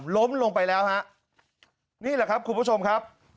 ล้มลงไปแล้วฮะนี่แหละครับคุณผู้ชมครับ